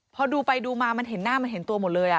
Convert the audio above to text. พอดูไปดูมามันเห็นหน้ามันเห็นตัวหมดเลย